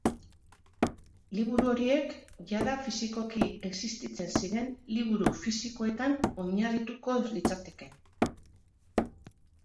Liburu horiek jada fisikoki existitzen ziren liburu fisikoetan oinarrituko litzateke.